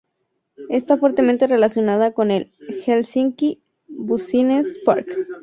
Está fuertemente relacionada con el Helsinki Business Park.